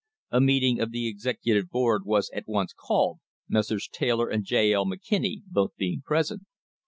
A meeting of the executive board was at once called, Messrs. Taylor and J. L. McKinney both being present.